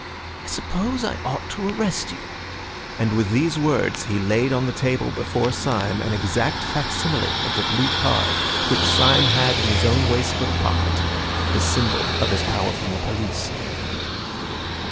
I suppose I ought to arrest you." And with these words he laid on the table before Syme an exact facsimile of the blue card which Syme had in his own waistcoat pocket, the symbol of his power from the police.